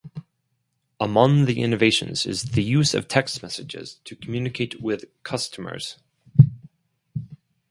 Among the innovations is the use of text messages to communicate with customers.